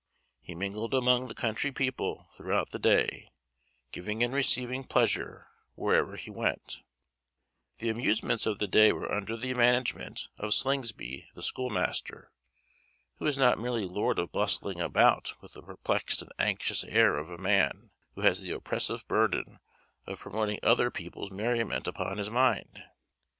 He mingled among the country people throughout the day, giving and receiving pleasure wherever he went. The amusements of the day were under the management of Slingsby, the schoolmaster, who is not merely lord of misrule in his school, but master of the revels to the village. He was bustling about with the perplexed and anxious air of a man who has the oppressive burthen of promoting other people's merriment upon his mind.